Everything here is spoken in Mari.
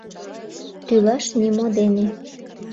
Тӱлаш нимо дене.